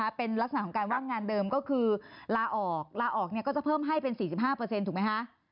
ถ้าเป็นลักษณะของการว่างงานเดิมก็คือลาออกลาออกเนี่ยก็จะเพิ่มให้เป็นสี่สิบห้าเปอร์เซ็นต์ถูกไหมฮะ